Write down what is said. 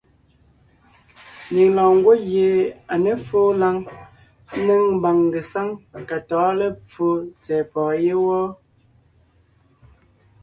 Nyìŋ lɔɔn ngwɔ́ gie à ně fóo lǎŋ ńnéŋ mbàŋ ngesáŋ ka tɔ̌ɔn lepfo tsɛ̀ɛ pɔ̀ɔn yé wɔ́.